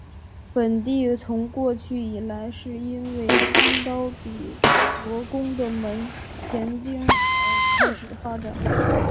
本地从过去以来是因为金刀比罗宫的门前町而开始发展。